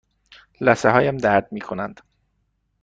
لثه هایم درد می کنند.